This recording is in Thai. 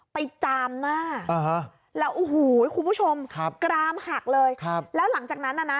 จามหน้าแล้วโอ้โหคุณผู้ชมครับกรามหักเลยครับแล้วหลังจากนั้นน่ะนะ